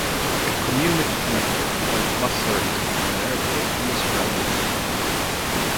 The Community Connector provides bus service between the airport and the surrounding region.